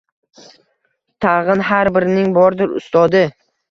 Tag‘in har birining bordir ustodi!